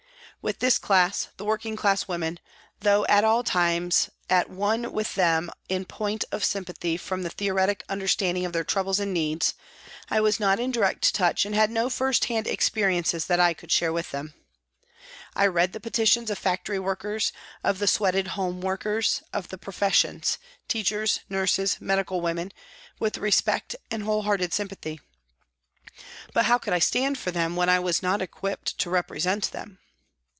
With this class, the working class women, though at all times at one with them in point of sympathy from theoretic understanding of their troubles and needs, I was not in direct touch and had no first hand experiences that I could share with them. I read the petitions of factory workers, of the sweated home workers, of the professions teachers, nurses, medical women with respect and whole hearted sympathy, but how could I stand for them when I was not equipped to represent them